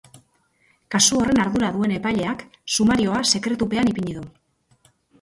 Kasu horren ardura duen epaileak sumarioa sekretupean ipini du.